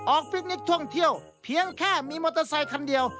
ฟิกนิกท่องเที่ยวเพียงแค่มีมอเตอร์ไซคันเดียว